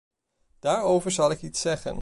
Daarover zal ik iets zeggen.